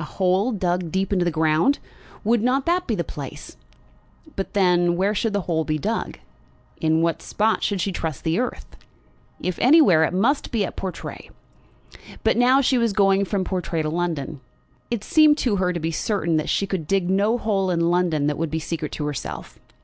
A hole dug deep into the ground; would not that be the place? But then, where should the hole be dug? In what spot should she trust the earth? If anywhere, it must be at Portray. But now she was going from Portray to London. It seemed to her to be certain that she could dig no hole in London that would be secret to herself.